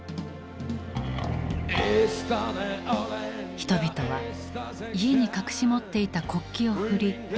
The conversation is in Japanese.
人々は家に隠し持っていた国旗を振り歌い続けた。